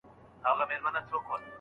تدبیر وتړي بارونه ځي د وړاندي